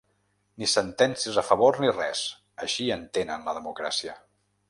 Ni sentències a favor ni res, així entenen la democràcia.